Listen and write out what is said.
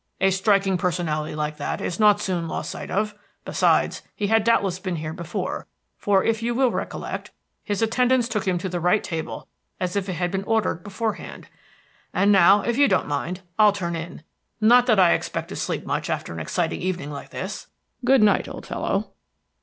"A striking personality like that is not soon lost sight of. Besides, he has doubtless been here before, for, if you will recollect, his attendants took him to the right table as if it had been ordered beforehand. And now, if you don't mind, I'll turn in not that I expect to sleep much after an exciting evening like this. Good night, old fellow."